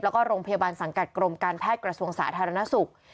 แล้วก็โรงพยาบาลสังกัดกรมการแพทย์กระทรวงสาธารณสุข